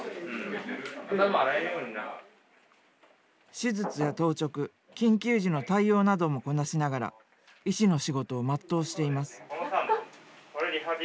手術や当直緊急時の対応などもこなしながら医師の仕事を全うしています。